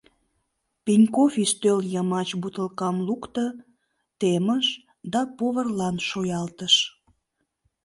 Пеньков ӱстел йымач бутылкам лукто, темыш да поварлан шуялтыш.